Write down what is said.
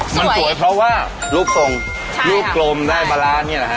มันสวยเพราะว่ารูปทรงรูปกลมได้ปลาร้านี่แหละฮะ